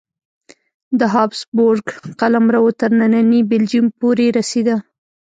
د هابسبورګ قلمرو تر ننني بلجیم پورې رسېده.